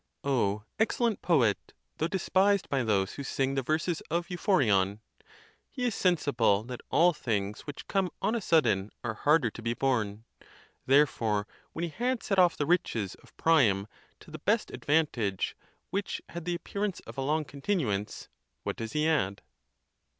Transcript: O excellent poet! though despised by those who sing the verses of Euphorion. He is sensible that all things which come on a sudden are harder to be borne. Therefore, when he had set off the riches of Priam to the best ad vantage, which had the appearance of a long continuance, what does he add